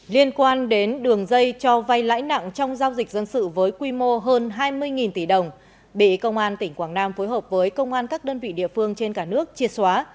liên quan đến đường dây cho vay lãi nặng trong giao dịch dân sự với quy mô hơn hai mươi tỷ đồng bị công an tỉnh quảng nam phối hợp với công an các đơn vị địa phương trên cả nước triệt xóa